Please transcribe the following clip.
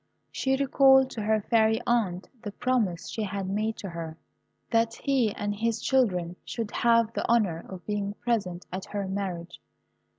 She recalled to her fairy aunt the promise she had made to her, that he and his children should have the honour of being present at her marriage.